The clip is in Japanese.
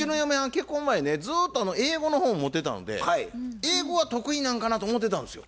結婚前ねずっと英語の本を持ってたので英語は得意なんかなと思うてたんですよ。